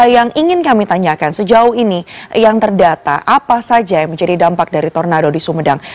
yang ingin kami tanyakan sejauh ini yang terdata apa saja yang menjadi dampak dari tornado di sumedang